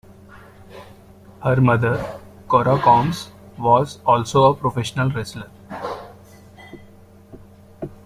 Her mother, Cora Combs, was also a professional wrestler.